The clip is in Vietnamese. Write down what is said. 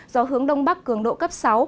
do hướng đông bắc cường độ cấp sáu